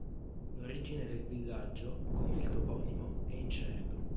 L'origine del villaggio, come il toponimo, è incerto.